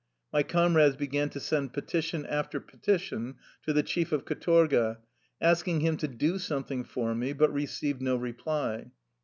My comrades began to send petition after petition to the chief of katorga, asking him to do some thing for me, but received no reply.